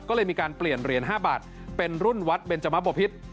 ก็เลยมีการเปลี่ยนเหรียญ๕บาทเป็นรุ่นวัดเบนจมะบพิษ